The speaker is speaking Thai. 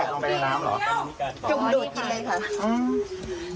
กินยังไงครับเท่านี้ตัดออกไปน้ำหรอกอ๋อนี่ค่ะ